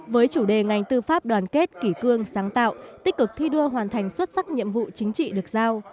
với chủ đề ngành tư pháp đoàn kết kỷ cương sáng tạo tích cực thi đua hoàn thành xuất sắc nhiệm vụ chính trị được giao